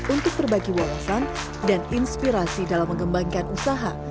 untuk berbagi wawasan dan inspirasi dalam mengembangkan usaha